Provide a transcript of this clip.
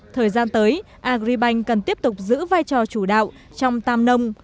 thời gian tới agribank cần tiếp tục giữ vai trò chủ đạo trong tam nông